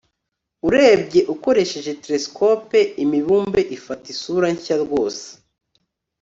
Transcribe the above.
urebye ukoresheje telesikope, imibumbe ifata isura nshya rwose